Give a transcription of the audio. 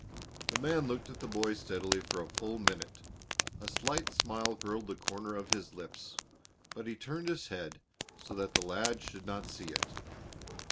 The man looked at the boy steadily for a full minute; a slight smile curled the corners of his lips, but he turned his head so that the lad should not see it.